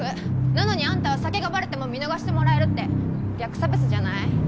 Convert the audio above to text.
なのにあんたは酒がバレても見逃してもらえるって逆差別じゃない？